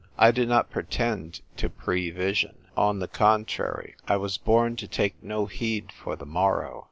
I do not pretend to prevision ; on the con trary, I was born to take no heed for the morrow.